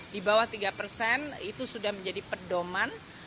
di bawah tiga persen itu sudah menjadi pedoman